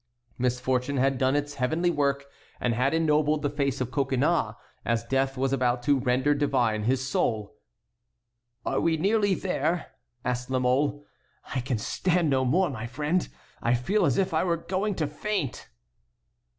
Misfortune had done its heavenly work, and had ennobled the face of Coconnas, as death was about to render divine his soul. "Are we nearly there?" asked La Mole. "I can stand no more, my friend. I feel as if I were going to faint."